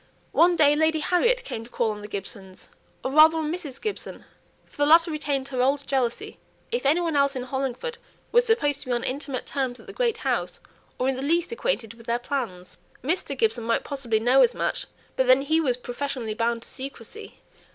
One day Lady Harriet came to call on the Gibsons, or rather on Mrs. Gibson, for the latter retained her old jealousy if any one else in Hollingford was supposed to be on intimate terms at the great house, or in the least acquainted with their plans. Mr. Gibson might possibly know as much, but then he was professionally bound to secrecy.